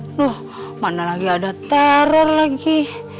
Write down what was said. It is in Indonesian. aduh mana lagi ada teror lagi